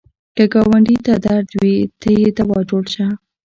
که ګاونډي ته درد وي، ته یې دوا جوړ شه